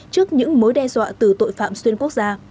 trước những mối đe dọa từ tội phạm xuyên quốc gia